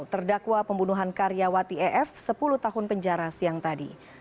terdakwa pembunuhan karyawati ef sepuluh tahun penjara siang tadi